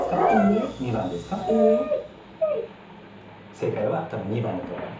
正解はたぶん２番だと思います。